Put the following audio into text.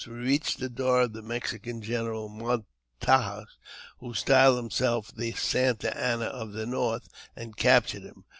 We reached the door of the Mexican general Montaja, who styled himself the *' Santa Anna of the North," and cap tured him.